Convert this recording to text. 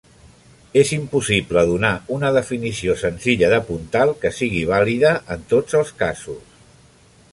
És impossible donar una definició senzilla de puntal que sigui vàlida en tots els casos.